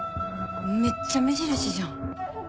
めっちゃ目印じゃん。